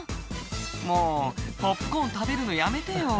「もうポップコーン食べるのやめてよ」